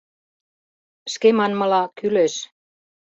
— Шке манмыла, кӱлеш.